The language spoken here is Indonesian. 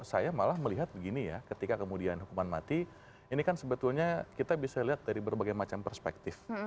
saya malah melihat begini ya ketika kemudian hukuman mati ini kan sebetulnya kita bisa lihat dari berbagai macam perspektif